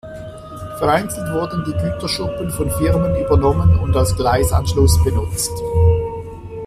Vereinzelt wurden die Güterschuppen von Firmen übernommen und als Gleisanschluss benutzt.